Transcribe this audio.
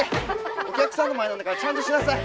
お客さんの前なんだからちゃんとしなさい。